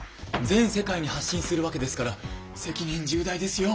全世界に発信するわけですから責任重大ですよ。